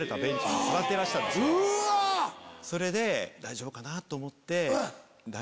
それで大丈夫かなと思って。